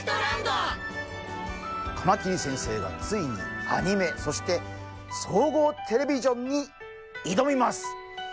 カマキリ先生がついにアニメそして総合テレビジョンにいどみます！